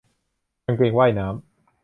กางเกงว่ายน้ำ